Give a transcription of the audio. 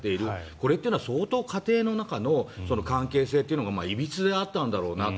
これっていうのは相当、家庭の中の関係性がいびつであったんだろうなと。